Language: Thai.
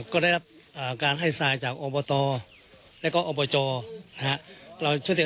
ก็ได้รับการให้ทรายจากองค์บอตและก็องค์บอจครับ